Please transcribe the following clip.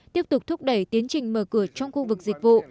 tiếp tục thúc đẩy tiến trình mở cửa trong khu vực dịch vụ